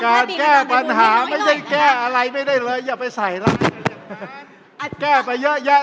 แก้ปัญหาไม่ได้แก้อะไรไม่ได้เลยอย่าไปใส่นะแก้ไปเยอะแยะ